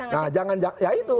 nah jangan ya itu